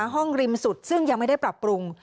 ห้องริมสุดซึ่งยังไม่ได้ปรับปรุง